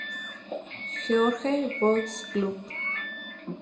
George Boys Club.